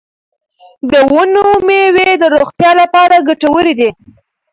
د ونو میوې د روغتیا لپاره ګټورې دي.